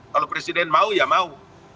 kalau presiden mau ya mau